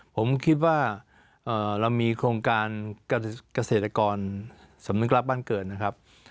ผมคิดว่าเรามีโครงการเกษตรกรสำนึกรับบ้านเกิดนะครับ